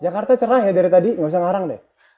jakarta cerah ya dari tadi nggak usah ngarang deh